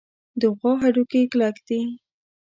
د غوا هډوکي کلک دي.